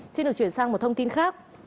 chính được chuyển sang một thông tin khác